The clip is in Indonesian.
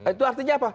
itu artinya apa